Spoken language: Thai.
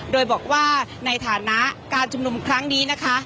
โดยบอกว่าในฐานะการชุมนุมครั้งนี้นะคะ